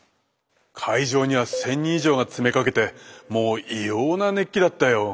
会場には１，０００人以上が詰めかけてもう異様な熱気だったよ。